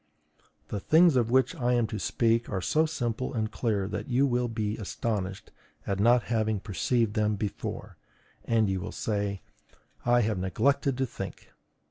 The things of which I am to speak are so simple and clear that you will be astonished at not having perceived them before, and you will say: "I have neglected to think."